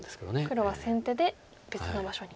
黒は先手で別の場所に。